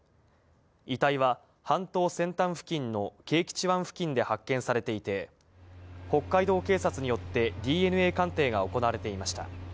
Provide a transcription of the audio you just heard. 遺体は半島先端付近の啓吉湾付近で発見されていて、北海道警察によってＤＮＡ鑑定が行われていました。